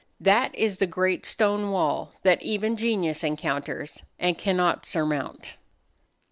That is the great stone wall that even genius encounters and cannot surmount.